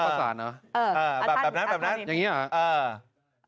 อ้าวปราสาทเหรอแบบนั้นอย่างนี้หรอ